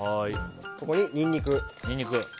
ここに、ニンニク。